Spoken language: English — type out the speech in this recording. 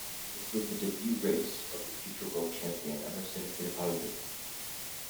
This was the debut race of the future world champion Emerson Fittipaldi.